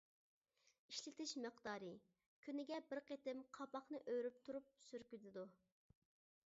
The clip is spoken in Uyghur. ئىشلىتىش مىقدارى: كۈنىگە بىر قېتىم قاپاقنى ئۆرۈپ تۇرۇپ سۈركىلىدۇ.